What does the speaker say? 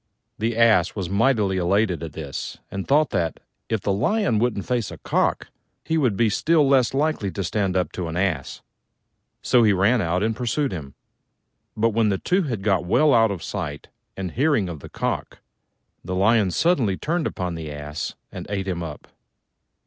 The Ass was mightily elated at this, and thought that, if the Lion couldn't face a Cock, he would be still less likely to stand up to an Ass: so he ran out and pursued him. But when the two had got well out of sight and hearing of the Cock, the Lion suddenly turned upon the Ass and ate him up.